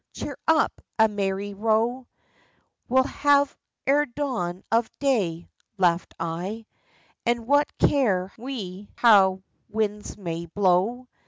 Cheer up ! A merry row We'll have ere dawn of day !" laughed I ;" And what care we how winds may blow